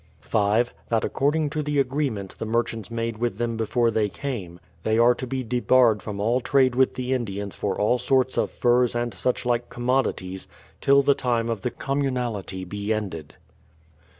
5. That according to the agreement the merchants made with them before they came, they are to be debarred from all trade with the Indians for all sorts of furs and such like commodities, till the time of the communality be ended.